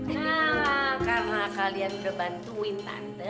nah karena kalian ngebantuin tante